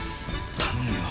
頼むよ！